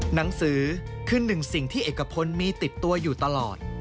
หนังสือคือหนึ่งสิ่งที่เอกพลมีติดตัวอยู่ตลอด